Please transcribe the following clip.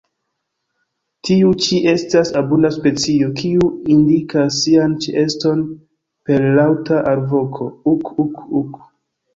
Tiu ĉi estas abunda specio, kiu indikas sian ĉeeston per laŭta alvoko "uk-uk-uk".